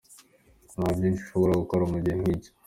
"Nta vyinshi ushobora gukora mu gihe nkico.